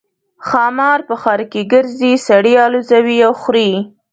ښامار په ښار کې ګرځي سړي الوزوي او خوري.